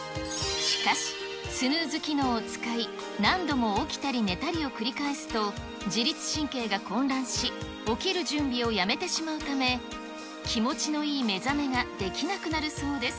しかし、スヌーズ機能を使い、何度も起きたり寝たりを繰り返すと、自律神経が混乱し、起きる準備をやめてしまうため、気持ちのいい目覚めができなくなるそうです。